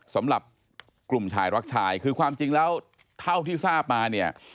สำหรับกลุ่มชายรักชายคือความจริงแล้วเท่าที่ทราบมาเนี่ย